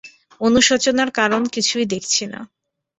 অনুশোচনার কারণ কিছুই দেখছি নে।